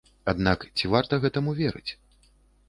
Аднак ці варта гэтаму верыць?